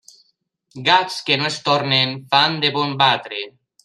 Gats que no es tornen, fan de bon batre.